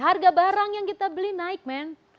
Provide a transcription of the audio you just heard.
harga barang yang kita beli naik men